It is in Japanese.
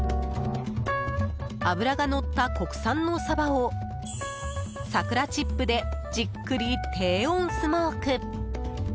脂がのった、国産のサバを桜チップでじっくり低温スモーク。